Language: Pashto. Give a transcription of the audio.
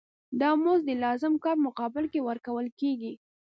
دا مزد د لازم کار په مقابل کې ورکول کېږي